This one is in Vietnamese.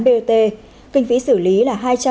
bot kinh phí xử lý là